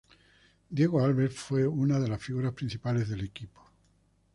Diego Alves fue una de las figuras principales del equipo.